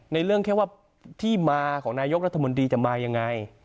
ในเรื่องแค่ว่าที่มาของนายกรัฐมนตรีจะมายังไง